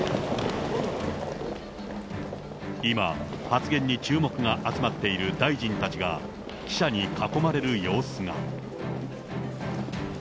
発言に注目が集まっている大臣たちが記者に囲まれる様子が。